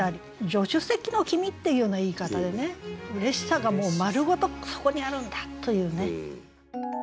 「助手席の君」っていうような言い方でね嬉しさがもう丸ごとそこにあるんだというね。